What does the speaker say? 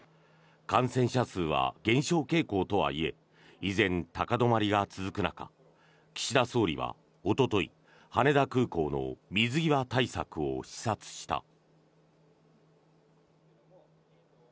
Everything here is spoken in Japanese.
感染者数は減少傾向とはいえ依然、高止まりが続く中岸田総理はおととい羽田空港の水際対策を視察した。